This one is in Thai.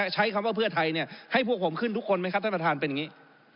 ใช้คำว่าเพื่อไทยให้พวกผมขึ้นทุกคนไหมครับท่านประธานเป็นอย่างนี้